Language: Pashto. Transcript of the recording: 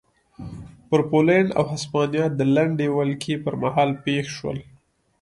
پر پولنډ او هسپانیا د لنډې ولکې پرمهال پېښ شول.